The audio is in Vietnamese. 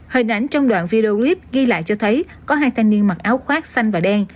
hình ảnh trong đoạn video clip ghi lại cho thấy có hai thanh niên mặc áo khoác xanh và đen